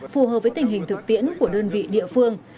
phù hợp với tình hình thực tiễn của đơn vị địa phương